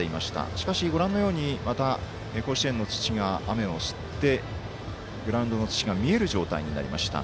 しかしご覧のようにまた甲子園の土が雨を吸って、グラウンドの土が見える状態になりました。